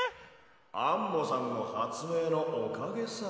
アンモさんのはつめいのおかげさ。